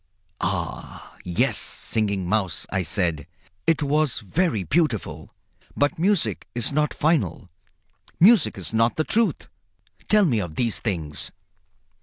"Ah! yes, Singing Mouse," I said, "it was very beautiful. But music is not final. Music is not the Truth. Tell me of these things."